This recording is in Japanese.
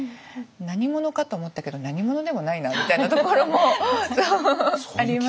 何者かと思ったけど何者でもないなみたいなところもありますし。